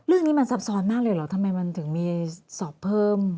เรื่องนี้มันซับซ้อนมากเลยเหรอทำไมมันถึงมีสอบเพิ่ม